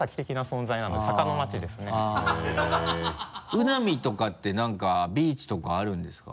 宇多海とかってなんかビーチとかあるんですか？